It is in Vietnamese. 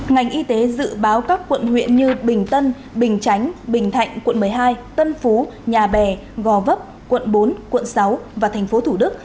ngành y tế dự báo các quận huyện như bình tân bình chánh bình thạnh quận một mươi hai tân phú nhà bè gò vấp quận bốn quận sáu và thành phố thủ đức